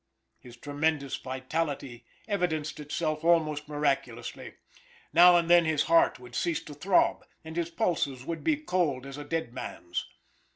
His tremendous vitality evidenced itself almost miraculously. Now and then, his heart would cease to throb, and his pulses would be as cold as a dead man's.